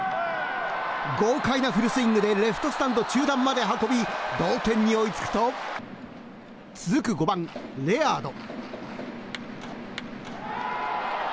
豪快なフルスイングでレフトスタンド中段まで運び同点に追いつくと続く５番、レアード。